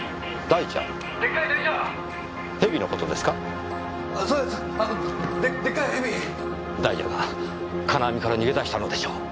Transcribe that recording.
大蛇が金網から逃げ出したのでしょう。